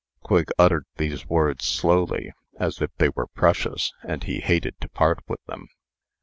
Quigg uttered these words slowly, as if they were precious, and he hated to part with them.